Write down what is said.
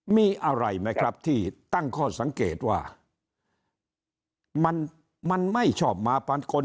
มีอะไรไหมครับที่ตั้งข้อสังเกตว่ามันไม่ชอบมาปันคน